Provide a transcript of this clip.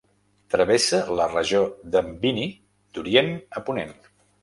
Travessa la regió de Mbini d'orient a ponent.